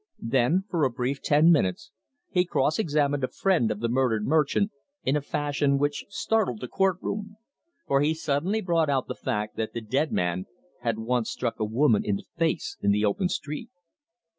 Then, for a brief ten minutes, he cross examined a friend of the murdered merchant in a fashion which startled the court room, for he suddenly brought out the fact that the dead man had once struck a woman in the face in the open street.